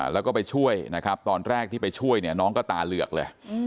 แล้วก็ไปช่วยนะครับตอนแรกที่ไปช่วยเนี่ยน้องก็ตาเหลือกเลย